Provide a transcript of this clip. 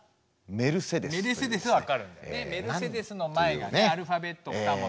メルセデスの前がアルファベット２文字。